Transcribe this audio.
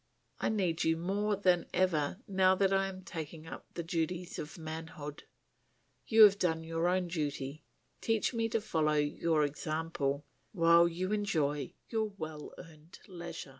I need you more than ever now that I am taking up the duties of manhood. You have done your own duty; teach me to follow your example, while you enjoy your well earned leisure."